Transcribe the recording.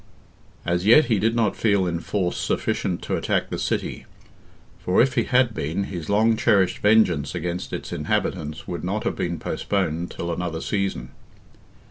As yet he did not feel in force sufficient to attack the city, for, if he had been, his long cherished vengeance against its inhabitants would not have been postponed till another season.